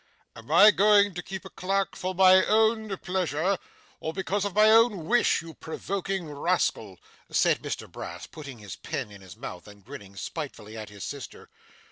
'Am I going to keep a clerk for my own pleasure, or because of my own wish, you provoking rascal!' said Mr Brass, putting his pen in his mouth, and grinning spitefully at his sister.